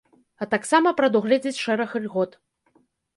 А таксама прадугледзіць шэраг ільгот.